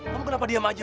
kamu kenapa diam aja